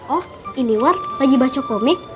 oh ini war lagi baca komik